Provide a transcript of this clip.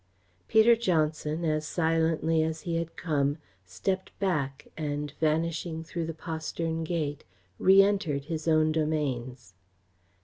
Peter Johnson, as silently as he had come, stepped back and, vanishing through the postern gate, reëntered his own domains.